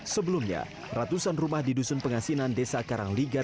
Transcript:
sebelumnya ratusan rumah di dusun pengasinan desa karangliga